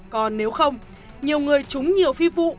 còn nếu không nhiều người trúng nhiều phi vụ